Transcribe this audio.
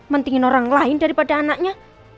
mendingin orang lain daripada anaknya